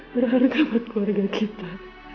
berharga buat keluarga kita